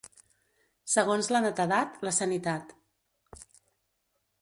Segons la netedat, la sanitat.